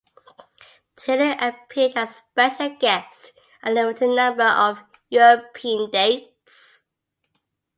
Taylor appeared as a special guest at a limited number of European dates.